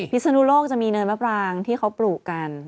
พิศนุโลกจะมีเนินมะปรางที่เขาปลูกกัน